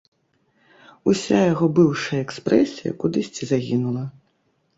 Уся яго быўшая экспрэсія кудысьці загінула.